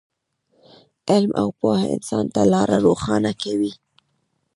علم او پوهه انسان ته لاره روښانه کوي.